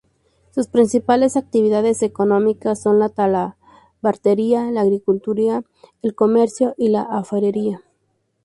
Sus principales actividades económicas son la talabartería, la agricultura, el comercio y la alfarería.